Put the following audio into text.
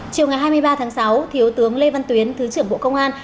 chiều ngày hai mươi ba tháng sáu thiếu tướng lê văn tuyến thứ trưởng bộ công an